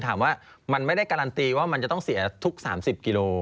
ถามว่ามันไม่ได้การันตีว่ามันจะต้องเสียทุก๓๐กิโล